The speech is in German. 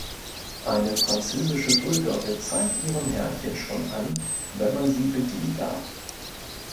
Eine französische Bulldogge zeigt ihrem Herrchen schon an, wenn man sie bedienen darf.